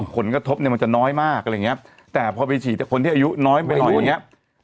ผลกระทบมันจะน้อยมากอะไรอย่างนี้แต่พอไปฉีดคนที่อายุน้อยไปหน่อยอย่างนี้